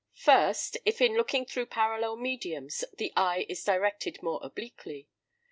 First, if, in looking through parallel mediums, the eye is directed more obliquely.